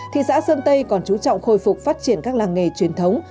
thị xã sơn tây còn chú trọng khôi phục phát triển các làng nghề truyền thống